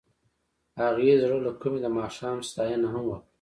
هغې د زړه له کومې د ماښام ستاینه هم وکړه.